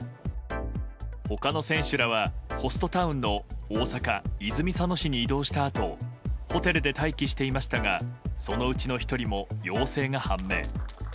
他の選手らはホストタウンの大阪・泉佐野市に移動したあとホテルで待機していましたがそのうちの１人も陽性が判明。